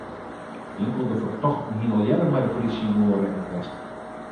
Inkelde fertochten hiene al earder mei de plysje yn oanrekking west.